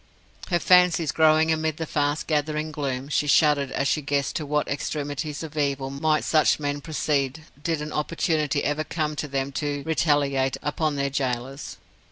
Her fancies growing amid the fast gathering gloom, she shuddered as she guessed to what extremities of evil might such men proceed did an opportunity ever come to them to retaliate upon their gaolers.